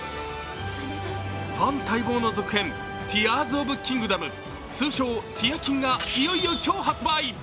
ファン待望の続編、「ティアーズオブザキングダム」通称、「ティアキン」がいよいよ今日発売。